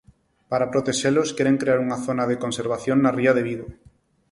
Para protexelos queren crear unha zona de conservación na ría de Vigo.